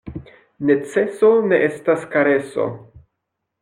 Neceso ne estas kareso.